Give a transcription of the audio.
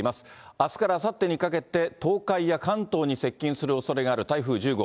あすからあさってにかけて、東海や関東に接近するおそれがある台風１０号。